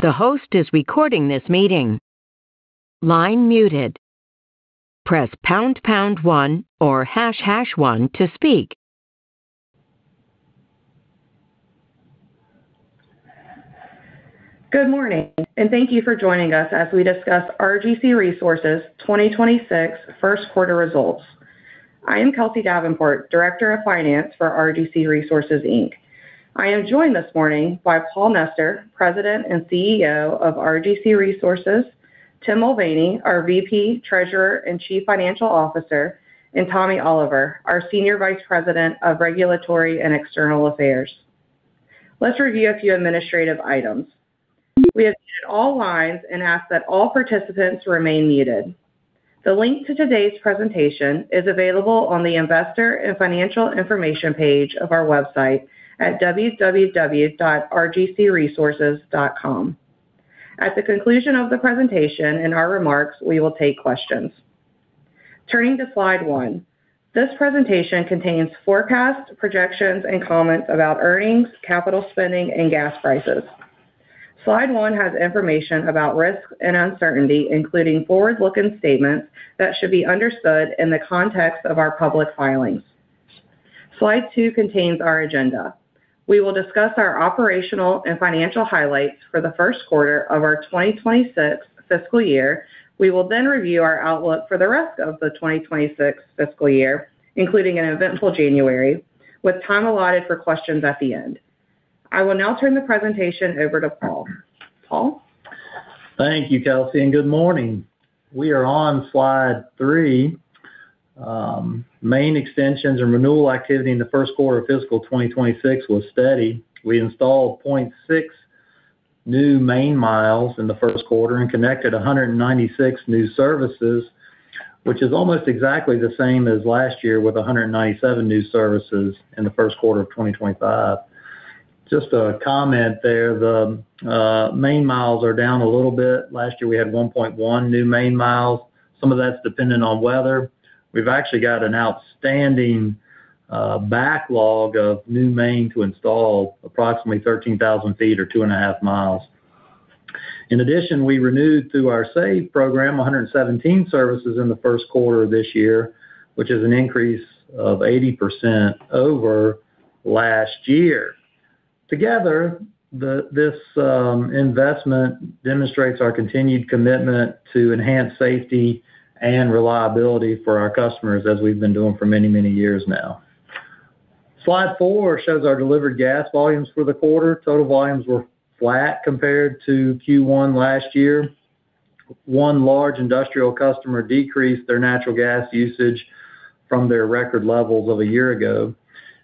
The host is recording this meeting. Line muted. Press pound pound 1 or hash hash 1 to speak. Good morning, and thank you for joining us as we discuss RGC Resources 2026 first quarter results. I am Kelsie Davenport, Director of Finance for RGC Resources, Inc. I am joined this morning by Paul Nester, President and CEO of RGC Resources, Tim Mulvaney, our VP, Treasurer and Chief Financial Officer, and Tommy Oliver, our Senior Vice President of Regulatory and External Affairs. Let's review a few administrative items. We have muted all lines and ask that all participants remain muted. The link to today's presentation is available on the Investor and Financial Information page of our website at www.rgcresources.com. At the conclusion of the presentation and our remarks, we will take questions. Turning to slide one. This presentation contains forecasts, projections, and comments about earnings, capital spending, and gas prices. Slide one has information about risk and uncertainty, including forward-looking statements that should be understood in the context of our public filings. Slide two contains our agenda. We will discuss our operational and financial highlights for the first quarter of our 2026 fiscal year. We will then review our outlook for the rest of the 2026 fiscal year, including an eventful January, with time allotted for questions at the end. I will now turn the presentation over to Paul. Paul? Thank you, Kelsie, and good morning. We are on slide three. Main extensions or renewal activity in the first quarter of fiscal 2026 was steady. We installed 0.6 new main miles in the first quarter and connected 196 new services, which is almost exactly the same as last year with 197 new services in the first quarter of 2025. Just a comment there. The main miles are down a little bit. Last year we had 1.1 new main miles. Some of that's dependent on weather. We've actually got an outstanding backlog of new main to install, approximately 13,000 ft or 2.5 mi. In addition, we renewed through our SAVE program 117 services in the first quarter of this year, which is an increase of 80% over last year. Together, this investment demonstrates our continued commitment to enhance safety and reliability for our customers, as we've been doing for many, many years now. Slide four shows our delivered gas volumes for the quarter. Total volumes were flat compared to Q1 last year. One large industrial customer decreased their natural gas usage from their record levels of a year ago.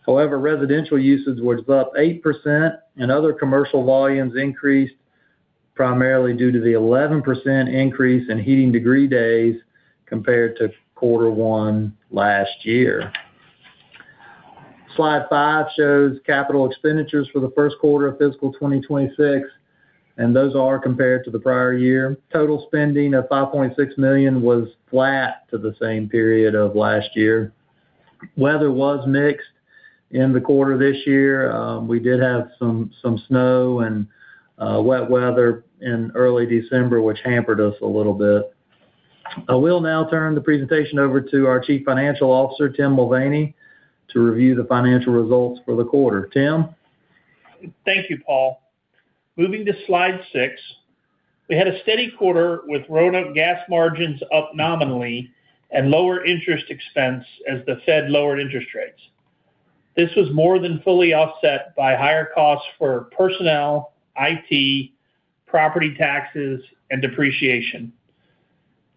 However, residential usage was up 8%, and other commercial volumes increased primarily due to the 11% increase in heating degree days compared to quarter one last year. Slide five shows capital expenditures for the first quarter of fiscal 2026, and those are compared to the prior year. Total spending of $5.6 million was flat to the same period of last year. Weather was mixed in the quarter this year. We did have some snow and wet weather in early December, which hampered us a little bit. I will now turn the presentation over to our Chief Financial Officer, Tim Mulvaney, to review the financial results for the quarter. Tim? Thank you, Paul. Moving to slide six. We had a steady quarter with gas margins up nominally and lower interest expense as the Fed lowered interest rates. This was more than fully offset by higher costs for personnel, IT, property taxes, and depreciation.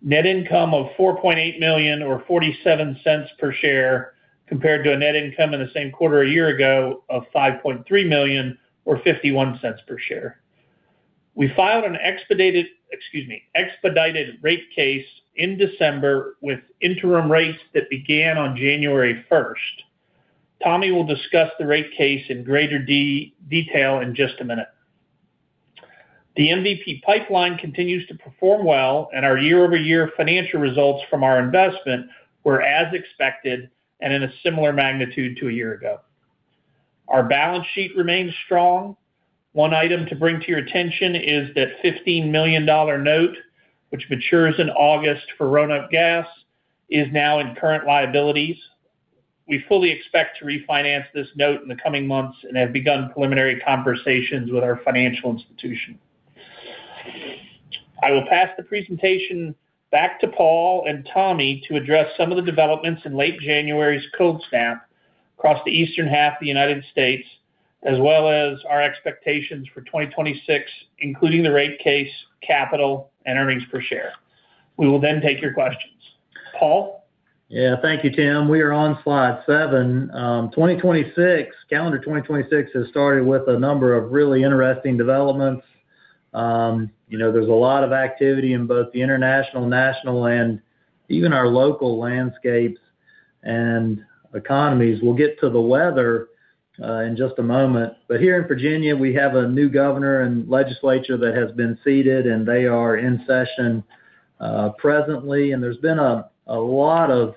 Net income of $4.8 million or $0.47 per share compared to a net income in the same quarter a year ago of $5.3 million or $0.51 per share. We filed an expedited rate case in December with interim rates that began on January 1st. Tommy will discuss the rate case in greater detail in just a minute. The MVP pipeline continues to perform well, and our year-over-year financial results from our investment were as expected and in a similar magnitude to a year ago. Our balance sheet remains strong. One item to bring to your attention is that $15 million note, which matures in August for Roanoke Gas, is now in current liabilities. We fully expect to refinance this note in the coming months and have begun preliminary conversations with our financial institution. I will pass the presentation back to Paul and Tommy to address some of the developments in late January's cold snap across the eastern half of the United States, as well as our expectations for 2026, including the rate case, capital, and earnings per share. We will then take your questions. Paul? Yeah, thank you, Tim. We are on slide seven. Calendar 2026 has started with a number of really interesting developments. There's a lot of activity in both the international, national, and even our local landscapes and economies. We'll get to the weather in just a moment. But here in Virginia, we have a new governor and legislature that has been seated, and they are in session presently. And there's been a lot of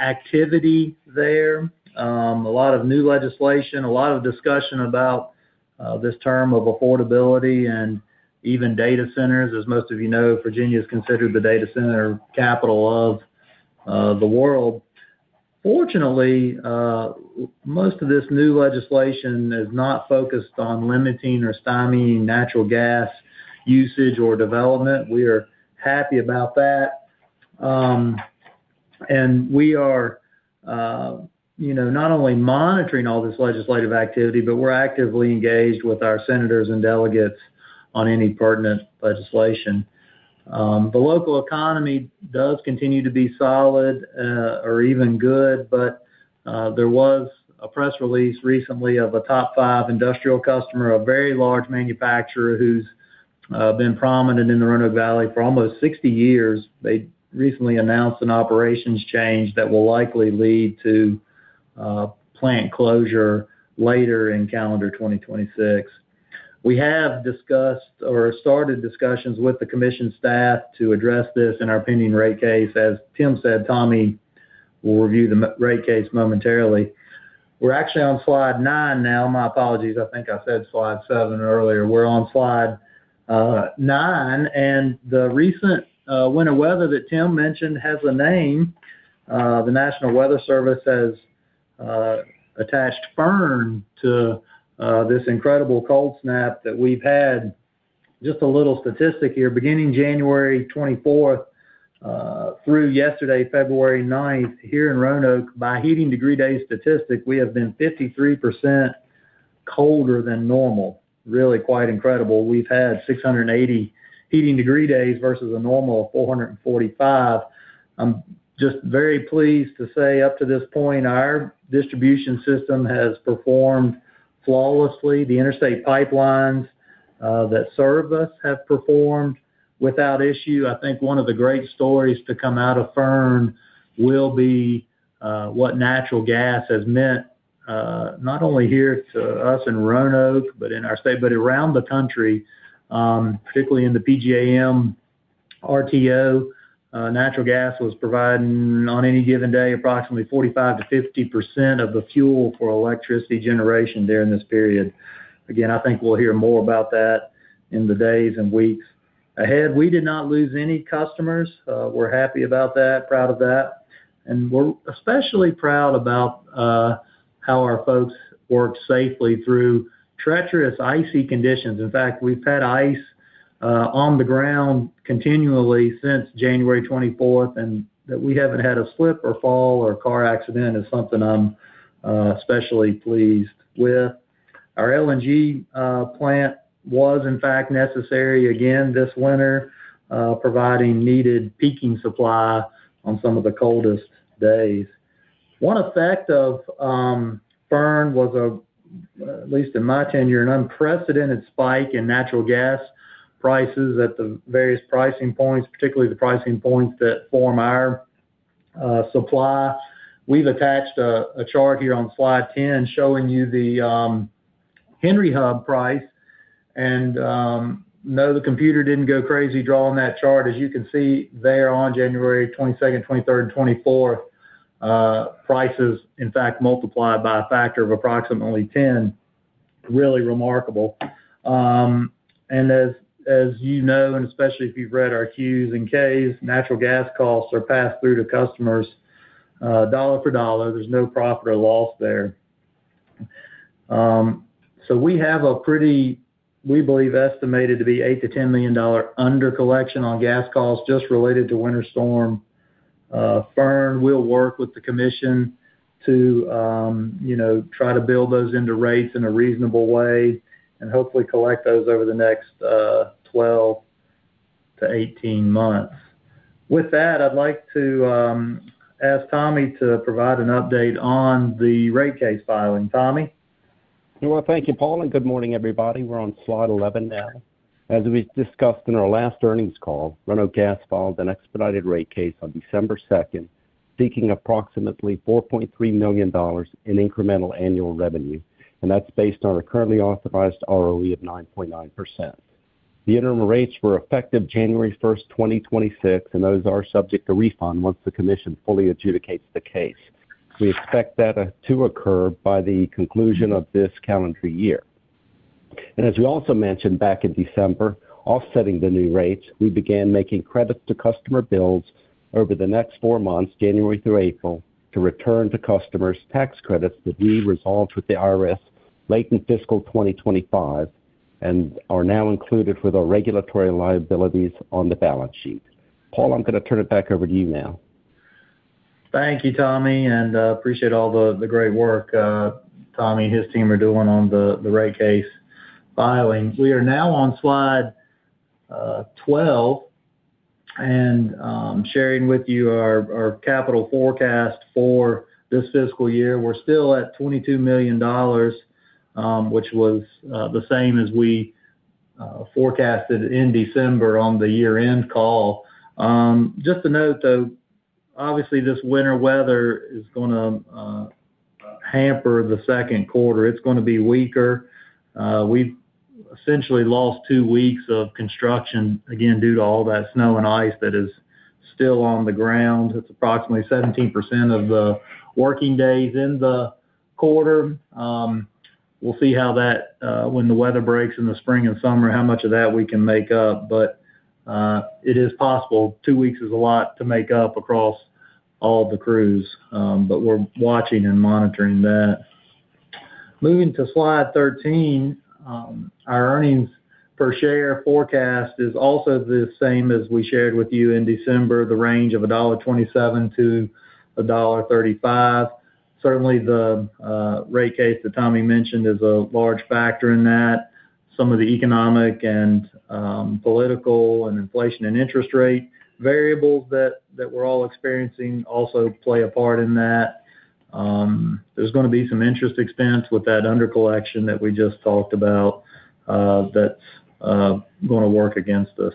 activity there, a lot of new legislation, a lot of discussion about this term of affordability and even data centers. As most of you know, Virginia is considered the data center capital of the world. Fortunately, most of this new legislation is not focused on limiting or stymie natural gas usage or development. We are happy about that. We are not only monitoring all this legislative activity, but we're actively engaged with our senators and delegates on any pertinent legislation. The local economy does continue to be solid or even good, but there was a press release recently of a top five industrial customer, a very large manufacturer who's been prominent in the Roanoke Valley for almost 60 years. They recently announced an operations change that will likely lead to plant closure later in calendar 2026. We have started discussions with the commission staff to address this and our pending rate case. As Tim said, Tommy will review the rate case momentarily. We're actually on slide nine now. My apologies. I think I said slide seven earlier. We're on slide nine. And the recent winter weather that Tim mentioned has a name. The National Weather Service has attached Fern to this incredible cold snap that we've had. Just a little statistic here. Beginning January 24th through yesterday, February 9th, here in Roanoke, by heating degree day statistic, we have been 53% colder than normal. Really quite incredible. We've had 680 heating degree days versus a normal of 445. I'm just very pleased to say, up to this point, our distribution system has performed flawlessly. The interstate pipelines that serve us have performed without issue. I think one of the great stories to come out of Fern will be what natural gas has meant, not only here to us in Roanoke but around the country, particularly in the PJM RTO. Natural gas was providing, on any given day, approximately 45%-50% of the fuel for electricity generation there in this period. Again, I think we'll hear more about that in the days and weeks ahead. We did not lose any customers. We're happy about that, proud of that. We're especially proud about how our folks worked safely through treacherous, icy conditions. In fact, we've had ice on the ground continually since January 24th, and that we haven't had a slip or fall or car accident is something I'm especially pleased with. Our LNG plant was, in fact, necessary again this winter, providing needed peaking supply on some of the coldest days. One effect of Fern was, at least in my tenure, an unprecedented spike in natural gas prices at the various pricing points, particularly the pricing points that form our supply. We've attached a chart here on slide 10 showing you the Henry Hub price. No, the computer didn't go crazy drawing that chart. As you can see there, on January 22nd, 23rd, and 24th, prices, in fact, multiplied by a factor of approximately 10. Really remarkable. As you know, and especially if you've read our Qs and Ks, natural gas costs are passed through to customers dollar for dollar. There's no profit or loss there. So we have a pretty, we believe, estimated to be $8 million-$10 million undercollection on gas costs just related to Winter Storm Fern. We'll work with the commission to try to build those into rates in a reasonable way and hopefully collect those over the next 12-18 months. With that, I'd like to ask Tommy to provide an update on the rate case filing. Tommy? I want to thank you, Paul. Good morning, everybody. We're on slide 11 now. As we discussed in our last earnings call, Roanoke Gas filed an expedited rate case on December 2nd, seeking approximately $4.3 million in incremental annual revenue. That's based on a currently authorized ROE of 9.9%. The interim rates were effective January 1st, 2026, and those are subject to refund once the commission fully adjudicates the case. We expect that to occur by the conclusion of this calendar year. As we also mentioned back in December, offsetting the new rates, we began making credits to customer bills over the next four months, January through April, to return to customers tax credits that we resolved with the IRS late in fiscal 2025 and are now included with our regulatory liabilities on the balance sheet. Paul, I'm going to turn it back over to you now. Thank you, Tommy. I appreciate all the great work Tommy and his team are doing on the rate case filing. We are now on slide 12 and sharing with you our capital forecast for this fiscal year. We're still at $22 million, which was the same as we forecasted in December on the year-end call. Just to note, though, obviously, this winter weather is going to hamper the second quarter. It's going to be weaker. We've essentially lost two weeks of construction, again, due to all that snow and ice that is still on the ground. It's approximately 17% of the working days in the quarter. We'll see how that, when the weather breaks in the spring and summer, how much of that we can make up. But it is possible. Two weeks is a lot to make up across all the crews. But we're watching and monitoring that. Moving to slide 13, our earnings per share forecast is also the same as we shared with you in December, the range of $1.27-$1.35. Certainly, the rate case that Tommy mentioned is a large factor in that. Some of the economic and political and inflation and interest rate variables that we're all experiencing also play a part in that. There's going to be some interest expense with that under collection that we just talked about that's going to work against us.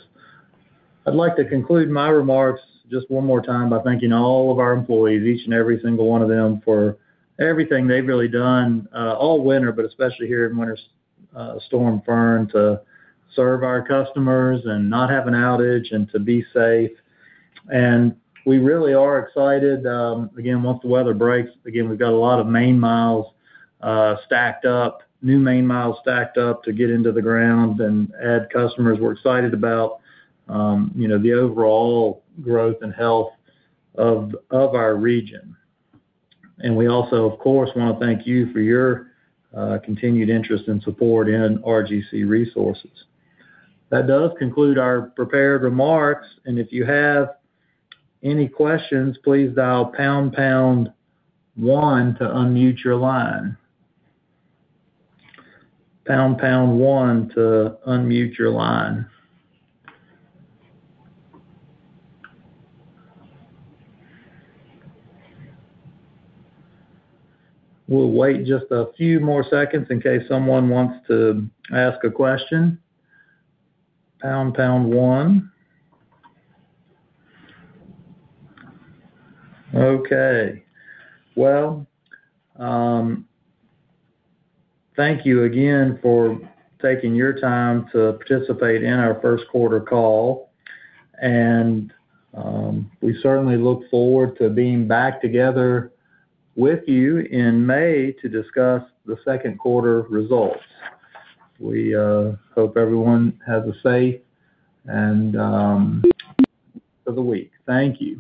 I'd like to conclude my remarks just one more time by thanking all of our employees, each and every single one of them, for everything they've really done all winter, but especially here in Winter Storm Fern, to serve our customers and not have an outage and to be safe. And we really are excited. Again, once the weather breaks, again, we've got a lot of main miles stacked up, new main miles stacked up to get into the ground and add customers. We're excited about the overall growth and health of our region. And we also, of course, want to thank you for your continued interest and support in RGC Resources. That does conclude our prepared remarks. And if you have any questions, please dial pound, pound one to unmute your line. Pound, pound one to unmute your line. We'll wait just a few more seconds in case someone wants to ask a question. Pound, pound one. Okay. Well, thank you again for taking your time to participate in our first quarter call. And we certainly look forward to being back together with you in May to discuss the second quarter results. We hope everyone has a safe end of the week. Thank you.